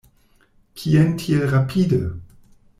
Kien tiel rapide?